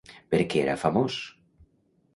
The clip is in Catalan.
Per què era famós?